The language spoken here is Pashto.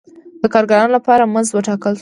د کارګرانو لپاره مزد وټاکل شو.